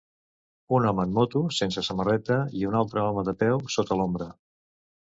Un home en moto sense samarreta i un altre home de peu sota l'ombra.